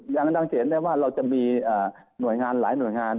อย่างนั้นดังเฉยแทนได้ว่าเราจะมีหน่วยงานหลายหน่วยงาน